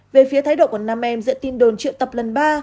về phía thái độ của nam em giữa tin đồn triệu tập lần ba